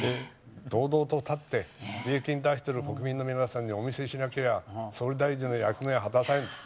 堂々と立って、税金を出してる国民の皆さんにお見せしなけりゃ総理大臣の役目は果たせない。